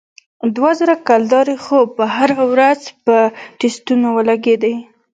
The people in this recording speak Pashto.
دوه زره کلدارې خو پر هغه ورځ په ټسټونو ولگېدې.